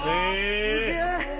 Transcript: すげえ！